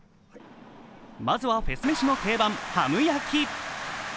まずはフェス飯の定番、ハム焼き。